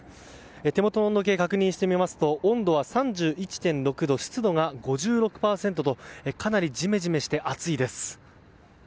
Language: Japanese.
手元の温度計、確認してみますと温度は３１．６度で湿度が５６％とかなりジメジメして暑いです。